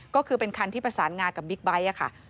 ก็คือเป็นคันที่ประสานงากับบิ๊กไบท์ค่ะ